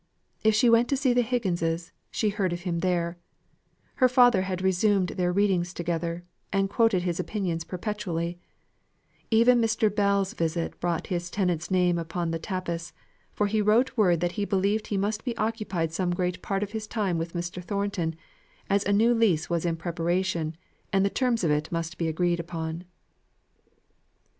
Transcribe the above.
If she went to see the Higginses, she heard of him there; her father had resumed their readings together, and quoted his opinions perpetually; even Mr. Bell's visit brought his tenant's name upon the tapis; for he wrote word, that he believed he must be occupied some great part of his time with Mr. Thornton, as a new lease was in preparation, and the terms of it must be agreed upon.